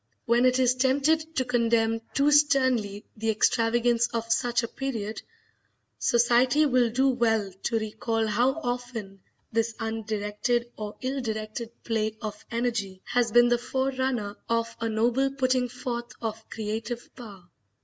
When it is tempted to condemn too sternly the extravagance of such a period, society will do well to recall how often this undirected or ill directed play of energy has been the forerunner of a noble putting forth of creative power.